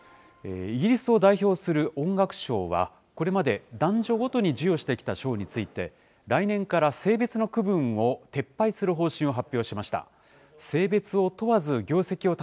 イギリスを代表する音楽賞は、これまで男女ごとに授与してきた賞について、来年から性別の区分を撤廃する方針を発表しました。